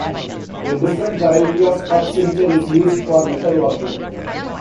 A different variety of cup center is used for metalworking.